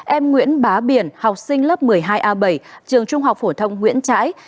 em nguyễn bá biển học sinh lớp một mươi hai a bảy trường trung học phổ thông nguyễn trãi